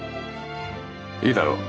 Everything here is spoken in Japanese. いいだろう。